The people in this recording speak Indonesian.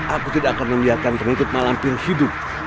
aku tidak akan membiarkan penutup mak lampir hidup